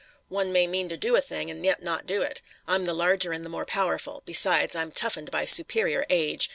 "One may mean to do a thing and yet not do it. I'm the larger and the more powerful. Besides, I'm toughened by superior age.